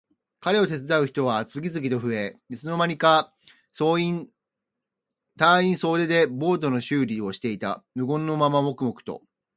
彼を手伝う人は次々と増え、いつの間にか隊員総出でボートの修理をしていた。無言のまま黙々と。